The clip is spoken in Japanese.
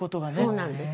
そうなんです。